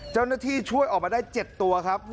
เจ้าหน้าที่ช่วยออกมาได้๗ตัวครับ